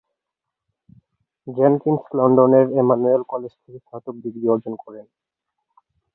Jenkins লন্ডনের Emmanuel College থেকে স্নাতক ডিগ্রি অর্জন করেন।